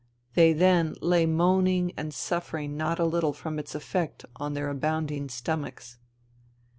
They then lay moaning and suffering not a little from its effect on their abounding stomachs.